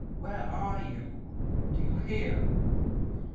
where are you? do you hear?"